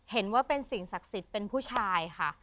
เห็นว่าเป็นสิ่งศักดิ์สิทธิ์เป็นผู้ชายค่ะ